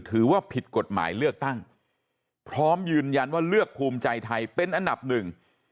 ถือว่าผิดกฎหมายเลือกตั้งพร้อมยืนยันว่าเลือกภูมิใจไทยเป็นอันดับหนึ่ง